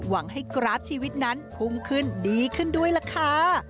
หวังให้กราฟชีวิตนั้นพุ่งขึ้นดีขึ้นด้วยล่ะค่ะ